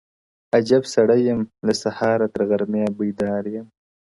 o عجيب سړى يم له سهاره تر غرمې بيدار يم؛